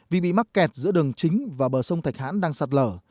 vì bị mắc kẹt giữa đường chính và bờ sông thạch hãn đang sạt lở